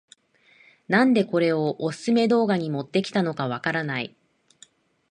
なんでこれをオススメ動画に持ってきたのかわからない